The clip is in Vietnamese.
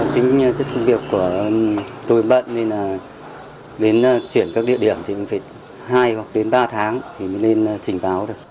chính chức công việc của tôi bận nên là đến chuyển các địa điểm thì phải hai hoặc đến ba tháng thì mới nên trình báo được